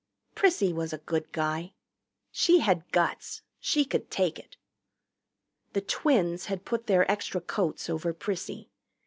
Prissy was a good guy. She had guts; she could take it. The twins had put their extra coats over Prissy.